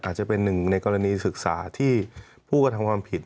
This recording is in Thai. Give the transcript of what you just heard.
อาจจะเป็นหนึ่งในกรณีศึกษาที่ผู้กระทำความผิด